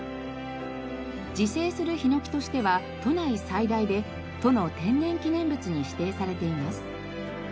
自生するヒノキとしては都内最大で都の天然記念物に指定されています。